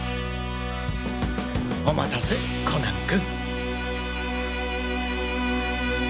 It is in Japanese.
おまたせコナン君。